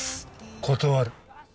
断る。